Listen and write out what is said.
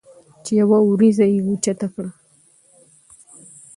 چې يوه وروځه یې اوچته کړه